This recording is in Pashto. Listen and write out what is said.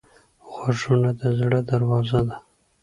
غوږونه د زړه دروازه ده